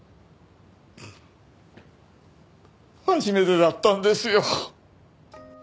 初めてだったんですよ！